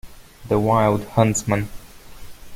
The wild huntsman.